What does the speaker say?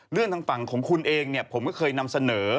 เรื่องทางฝั่งของคุณเองผมก็เคยนำเสนอ